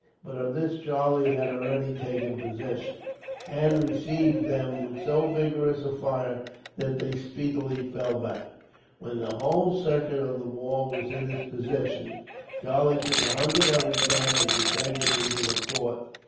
But of this Charlie had already taken possession, and received them with so vigorous a fire that they speedily fell back. When the whole circuit of the walls was in his possession, Charlie took a hundred of his men, and descended into the fort.